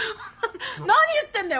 何言ってんだよ。